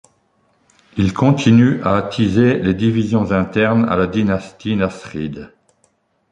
Il continue à attiser les divisions internes à la dynastie nasride.